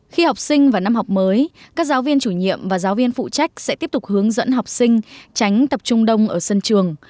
khi học sinh vào năm học mới các giáo viên chủ nhiệm và giáo viên phụ trách sẽ tiếp tục hướng dẫn học sinh tránh tập trung đông ở sân trường